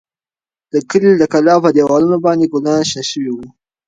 د کلي د کلا په دېوالونو باندې ګلان شنه شوي وو.